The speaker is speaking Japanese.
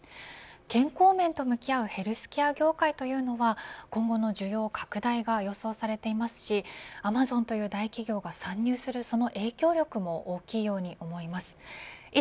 健康面と向き合うヘルスケア業界というのが今後の需要拡大が予想されていますしアマゾンという大企業が参入するその影響力も大きいように思います。